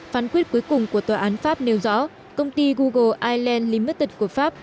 phán quyết cuối cùng của tòa án pháp nêu rõ công ty google island limited của pháp